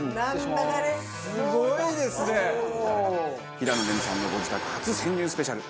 平野レミさんのご自宅初潜入スペシャル。